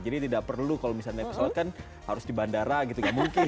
jadi tidak perlu kalau misalnya pesawat kan harus di bandara gitu nggak mungkin